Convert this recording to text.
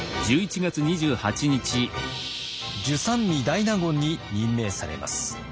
従三位大納言に任命されます。